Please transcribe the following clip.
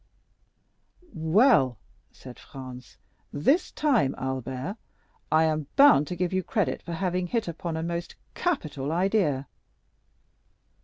"Well," said Franz, "this time, M. Albert, I am bound to give you credit for having hit upon a most capital idea."